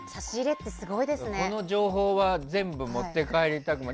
この情報は全部持って帰りたくなる。